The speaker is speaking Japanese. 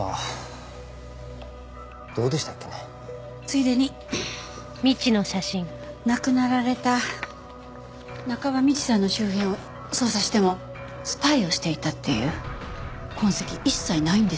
ついでに亡くなられた中葉美智さんの周辺を捜査してもスパイをしていたっていう痕跡一切ないんですよ。